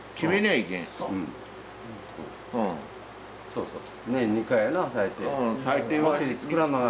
そうそう。